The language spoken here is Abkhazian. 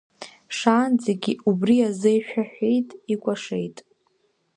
Шаанӡагьы убри азы ишәаҳәеит, икәашеит.